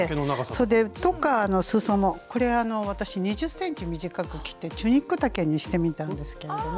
そでとかすそのこれは私２０ｃｍ短く切ってチュニック丈にしてみたんですけれども。